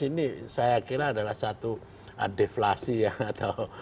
ini saya kira adalah satu deflasi yang atau